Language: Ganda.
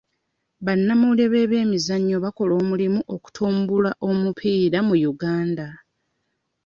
Bannamawulire b'ebyemizannyo bakola omulimu okutumbula omupiira mu Uganda.